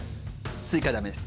追加ダメです